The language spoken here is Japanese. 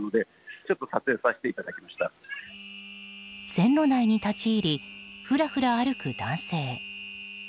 線路内に立ち入りふらふら歩く男性。